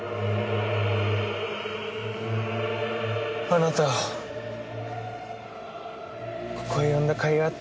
あなたをここへ呼んだ甲斐があった。